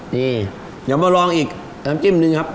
นี่เดี๋ยวมาลองอีกน้ำจิ้มนึงครับ